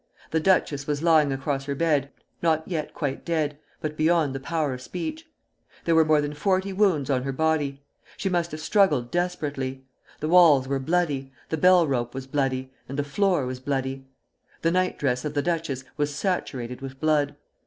The duchess was lying across her bed, not yet quite dead, but beyond the power of speech. There were more than forty wounds on her body. She must have struggled desperately. The walls were bloody, the bell rope was bloody, and the floor was bloody. The nightdress of the duchess was saturated with blood.